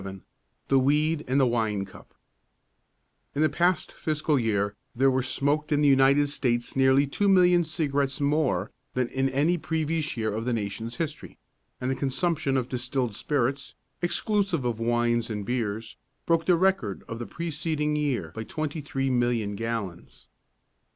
VII THE WEED AND THE WINECUP In the past fiscal year there were smoked in the United States nearly two million cigarettes more than in any previous year of the nation's history; and the consumption of distilled spirits, exclusive of wines and beers, broke the record of the preceding year by twenty three million gallons.